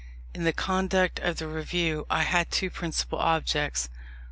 In the conduct of the Review I had two principal objects.